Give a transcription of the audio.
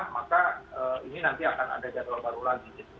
maka ini nanti akan ada jadwal baru lagi